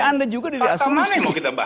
ya anda juga dari asumsi